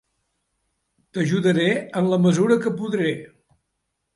T'ajudaré en la mesura que podré.